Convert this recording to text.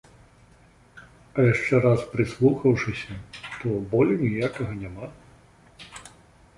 А яшчэ раз прыслухаўшыся, то болю ніякага няма.